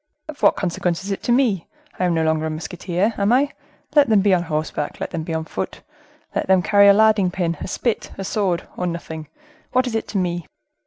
"Of what consequence is it to me? I am no longer a musketeer, am I? Let them be on horseback, let them be on foot, let them carry a larding pin, a spit, a sword, or nothing—what is it to me?"